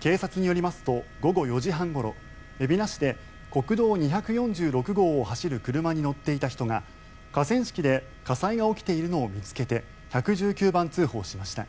警察によりますと午後５時半ごろ海老名市で国道２４６号を走る車に乗っていた人が河川敷で火災が起きているのを見つけて１１９番通報しました。